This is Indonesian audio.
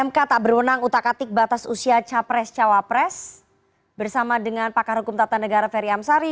mk tak berwenang utak atik batas usia capres cawapres bersama dengan pakar hukum tata negara ferry amsari